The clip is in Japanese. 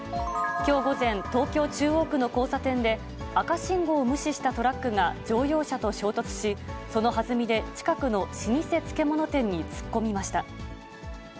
きょう午前、東京・中央区の交差点で、赤信号を無視したトラックが乗用車と衝突し、そのはずみで近くの老舗漬物店に突っ込みました。